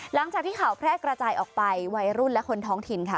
หลังจากที่ข่าวแพร่กระจายออกไปวัยรุ่นและคนท้องถิ่นค่ะ